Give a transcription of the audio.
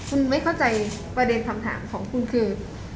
คุณไม่เข้าใจประเด็นคำถามของคุณคือ